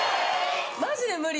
マジで無理。